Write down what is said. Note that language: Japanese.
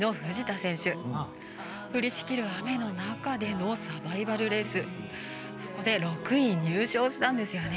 降りしきる雨の中でのサバイバルレース、そこで６位入賞したんですよね。